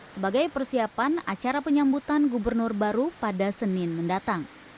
sebagai persiapan acara penyambutan gubernur baru pada senin mendatang